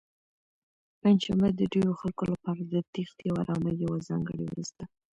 پنجشنبه د ډېرو خلکو لپاره د تېښتې او ارامۍ یوه ځانګړې ورځ ده.